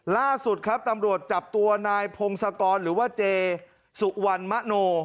ล่าสุดครับตำรวจจับตัวนายพงศกรหรือว่าเจสุวรรณมะโน